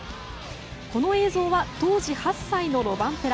この映像は当時８歳のロバンペラ。